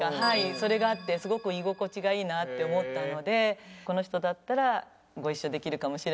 それがあってすごく居心地がいいなって思ったのでこの人だったらご一緒できるかもしれないなって思いました。